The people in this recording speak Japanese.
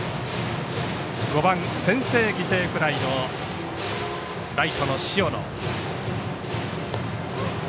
５番、先制犠牲フライのライトの塩野。